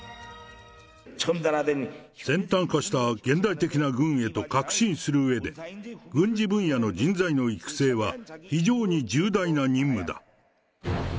先端化した現代的な軍へと革新するうえで、軍事分野の人材の育成は、非常に重大な任務だ。